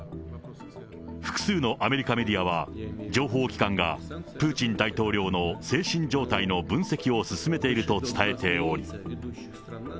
複数のアメリカメディアは、情報機関がプーチン大統領の精神状態の分析を進めていると伝えており。